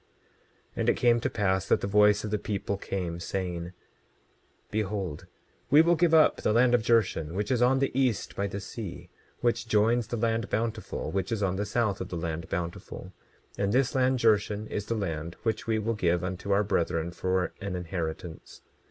27:22 And it came to pass that the voice of the people came, saying: Behold, we will give up the land of Jershon, which is on the east by the sea, which joins the land Bountiful, which is on the south of the land Bountiful; and this land Jershon is the land which we will give unto our brethren for an inheritance.